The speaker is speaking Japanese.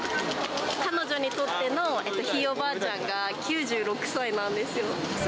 彼女にとってのひいおばあちゃんが９６歳なんですよ。